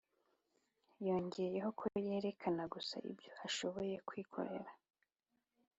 Yongeyeho ko yerekana gusa ibyo ashobora kwikorera